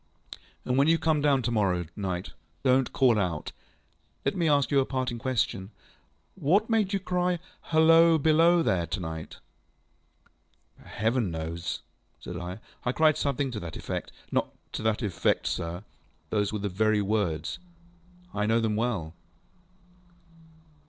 ŌĆØ ŌĆ£And when you come down to morrow night, donŌĆÖt call out! Let me ask you a parting question. What made you cry, ŌĆśHalloa! Below there! ŌĆÖ to night? ŌĆØ ŌĆ£Heaven knows, ŌĆØ said I. ŌĆ£I cried something to that effectŌĆöŌĆØ ŌĆ£Not to that effect, sir. Those were the very words. I know them well.